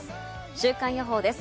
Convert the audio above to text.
週間予報です。